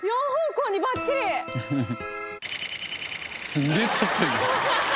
すげえ撮ってるな。